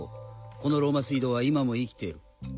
このローマ水道は今も生きている。